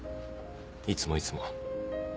いつもいつも。